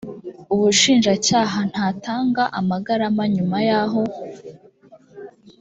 ubushinjacyaha ntatanga amagarama nyuma y aho